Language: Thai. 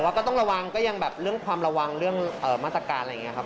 ก็ต้องระวังก็ยังแบบเรื่องความระวังเรื่องมาตรการอะไรอย่างนี้ครับ